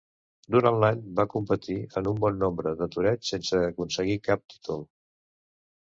Durant l'any va competir en un bon nombre de toreig sense aconseguir cap títol.